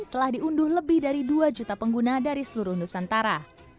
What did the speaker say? telah diunduh lebih dari dua juta pengguna dari seluruh nusantara